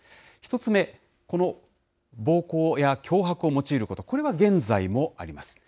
１つ目、この暴行や脅迫を用いること、これは現在もあります。